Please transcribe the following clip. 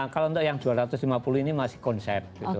kalau untuk yang dua ratus lima puluh ini masih konser